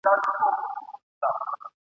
پر اغزنه زخمي لاره چي رانه سې ..